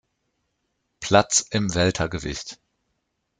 Platz im Weltergewicht.